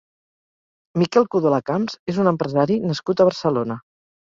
Miquel Codolà Camps és un empresari nascut a Barcelona.